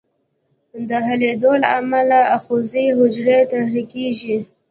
د حلېدو له امله آخذوي حجرې تحریکیږي.